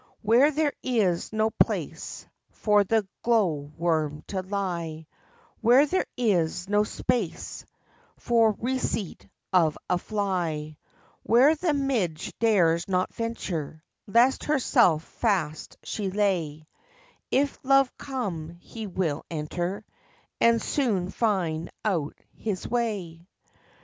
Where there is no place For the glow worm to lie; Where there is no space For receipt of a fly; Where the midge dares not venture, Lest herself fast she lay; If love come, he will enter And soon find out his way.